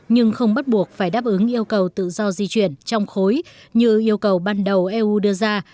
nhưng không bắt buộc phải đáp ứng yêu cầu tự do di chuyển trong khối như yêu cầu ban đầu eu đưa ra